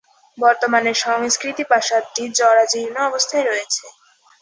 বর্তমানে সংস্কৃতি প্রাসাদটি জরাজীর্ণ অবস্থায় রয়েছে।